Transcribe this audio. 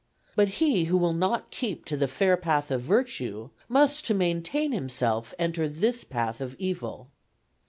But he who will not keep to the fair path of virtue, must to maintain himself enter this path of evil.